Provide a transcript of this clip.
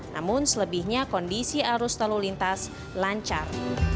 namun selebihnya kondisi arus lalu lintas lancar